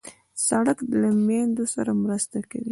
سړک له میندو سره مرسته کوي.